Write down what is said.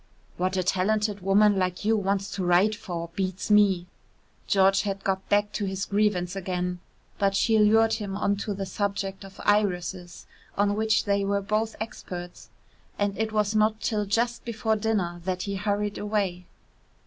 "What a talented woman like you wants to write for beats me." George had got back to his grievance again, but she lured him on to the subject of irises on which they were both experts, and it was not till just before dinner that he hurried away.